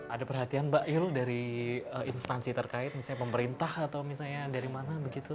ada perhatian mbak il dari instansi terkait misalnya pemerintah atau misalnya dari mana begitu